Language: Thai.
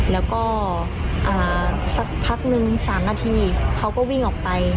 แล้วก็สักพักนึง๓นาทีเขาก็วิ่งออกไป